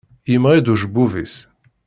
Yemɣi-d ucebbub-is.